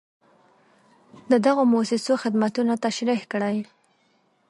د دغو مؤسسو خدمتونه تشریح کړئ.